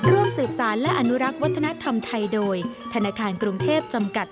ร่วมสืบสารและอนุรักษ์วัฒนธรรมไทยโดยธนาคารกรุงเทพจำกัด